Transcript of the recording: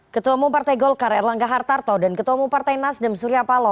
ketua umum partai golkar erlangga hartarto dan ketua umum partai nasdem surya paloh